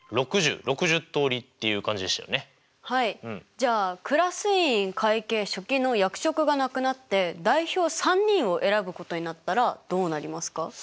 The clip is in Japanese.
じゃあクラス委員会計書記の役職がなくなって代表３人を選ぶことになったらどうなりますか？